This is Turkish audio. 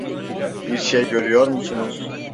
Bir şey görüyor musunuz?